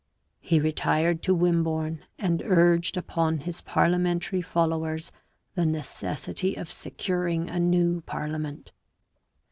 He retired to Wimborne and urged upon his parliamentary followers the necessity of securing a new parliament.